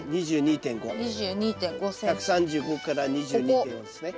１３５から２２．５ですね。